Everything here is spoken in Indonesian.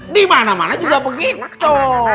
di mana mana juga begitu